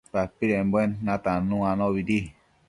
padpidembuen natannu anobidi